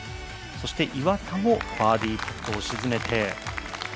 そして岩田もバーディーを決めて。